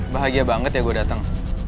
bahagia banget ya gue datang